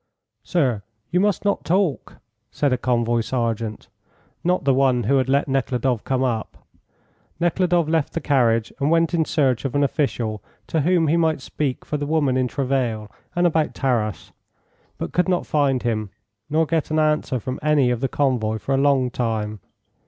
"Sir, you must not talk," said a convoy sergeant, not the one who had let Nekhludoff come up. Nekhludoff left the carriage and went in search of an official to whom he might speak for the woman in travail and about Taras, but could not find him, nor get an answer from any of the convoy for a long time.